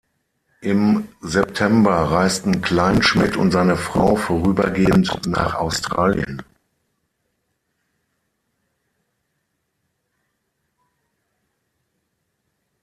Im September reisten Kleinschmidt und seine Frau vorübergehend nach Australien.